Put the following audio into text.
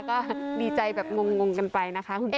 ก็ดีใจแบบงงกันไปนะคะคุณผู้ชม